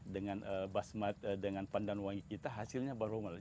dengan pandan wangi kita hasilnya baroma